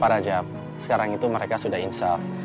para jap sekarang itu mereka sudah insaf